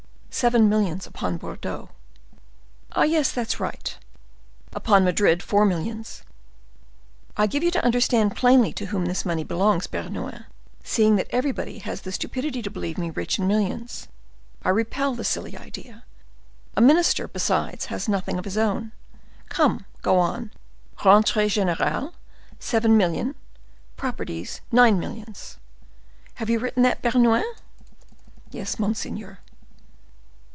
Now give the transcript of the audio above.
"Seven millions upon Bordeaux." "Ah! yes; that's right. Upon Madrid four millions. I give you to understand plainly to whom this money belongs, Bernouin, seeing that everybody has the stupidity to believe me rich in millions. I repel the silly idea. A minister, besides, has nothing of his own. Come, go on. Rentrees generales, seven millions; properties, nine millions. Have you written that, Bernouin?" "Yes, monseigneur."